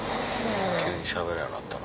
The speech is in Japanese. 急にしゃべらんようになったな。